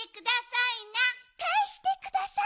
かえしてください。